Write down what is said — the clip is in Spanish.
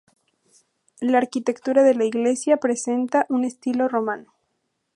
La arquitectura de la iglesia presenta un estilo romano.